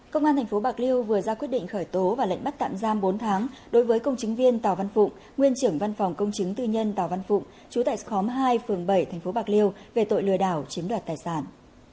công an tp bạc liêu vừa ra quyết định khởi tố và lệnh bắt tạm giam bốn tháng đối với công chứng viên tàu văn phụng nguyên trưởng văn phòng công chứng tư nhân tàu văn phụng chú tại khóm hai phường bảy tp bạc liêu về tội lừa đảo chiếm đoạt tài sản